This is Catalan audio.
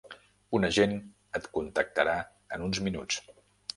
Un agent et contactarà en uns minuts.